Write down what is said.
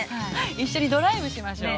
◆一緒にドライブしましょう。